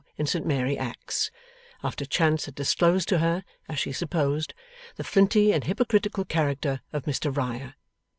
in St Mary Axe, after chance had disclosed to her (as she supposed) the flinty and hypocritical character of Mr Riah.